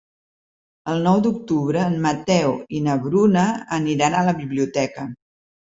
El nou d'octubre en Mateu i na Bruna aniran a la biblioteca.